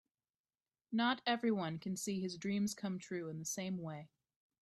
Not everyone can see his dreams come true in the same way.